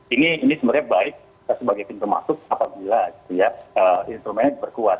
ini sebenarnya baik sebagai pintu masuk apabila instrumennya diperkuat